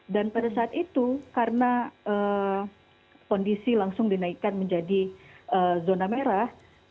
dan pada saat itu karena kondisi langsung dinaikkan menjadi zona merah